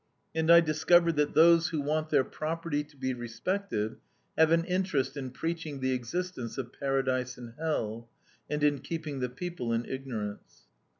And I discovered that those who want their property to be respected, have an interest in preaching the existence of paradise and hell, and in keeping the people in ignorance.